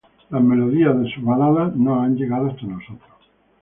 Las melodías de sus baladas no han llegado hasta nosotros.